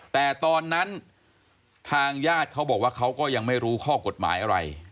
แต่ตอนนั้นทางญาติเขาบอกว่าเขาก็ยังไม่รู้ข้อกฎหมายอะไร